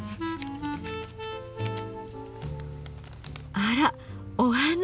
あらお花。